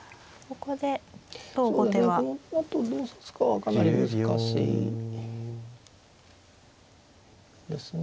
このあとどうするかはかなり難しいですね。